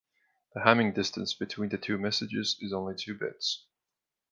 The Hamming distance between the two messages is only two bits.